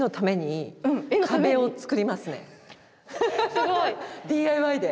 すごい！ＤＩＹで。